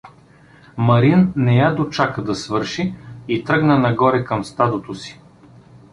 Марин не я дочака да свърши и тръгна нагоре към стадото си.